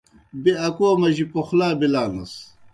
بیْہ اکو مجیْ پوخلا بِلانَس۔